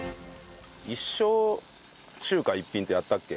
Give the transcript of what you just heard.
一生中華一品ってやったっけ？